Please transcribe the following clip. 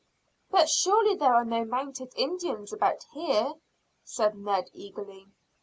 "But surely there are no mounted Indians about here?" said Ned eagerly.